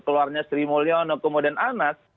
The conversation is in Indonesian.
keluarnya sri mulyono kemudian anas